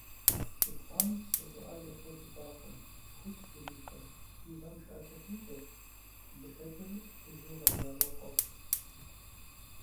Сулътӏан псы щӏыӏэ ефэу щытакъым, шхупст ирифыр, пивэм шатэ хикӏэрт, лыхэкӏыр плъыжьу гъэжьауэ фӏэфӏт.